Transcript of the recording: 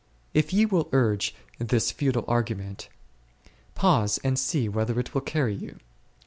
If ye will urge this futile argument, pause and see whither it will carry you.